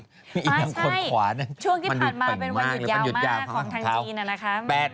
ช่วงที่ผ่านมาเป็นวันหยุดยาวมากของทางจีนนะคะ